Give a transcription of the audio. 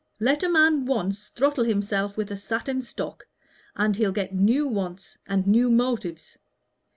Let a man once throttle himself with a satin stock, and he'll get new wants and new motives.